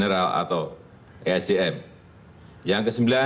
saudara asman abnur sebagai menteri pan dan reformasi birokrasi